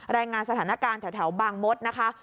รายงานสถานการณ์แถวบางมดนะคะ